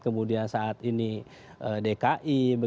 kemudian saat ini dki